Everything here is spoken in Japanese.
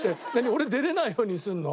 俺出れないようにするの？